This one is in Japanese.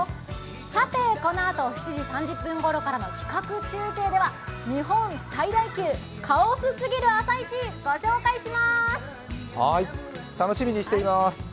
さて、このあと、７時３０分ごろからの企画中継では日本最大級、カオスすぎる朝市ご紹介します！